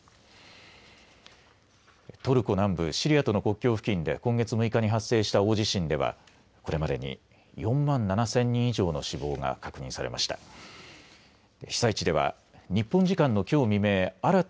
トルコ南部、シリアとの国境付近で今月６日に発生した大地震では、これまでに４万７０００人以上の死亡が確認されました。